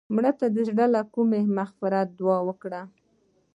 مړه ته د زړه له کومې د مغفرت دعا وکړه